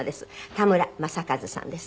田村正和さんです。